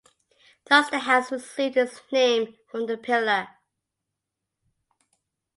Thus the house received its name from the pillar.